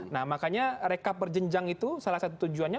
nah makanya rekap berjenjang itu salah satu tujuannya